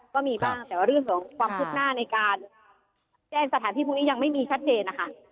ก็มีบ้างแต่ว่าเรื่องของความคืบหน้าในการแจ้งสถานที่พวกนี้ยังไม่มีชัดเจนนะคะ